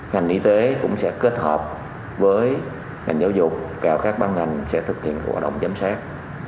ngành y tế cũng sẽ kết hợp với ngành giáo dục các băng ngành sẽ thực hiện của cộng đồng giám sát